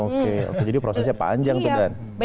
oke jadi prosesnya panjang tuh kan